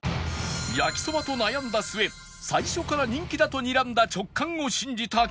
やきそばと悩んだ末最初から人気だとにらんだ直感を信じた鋼太郎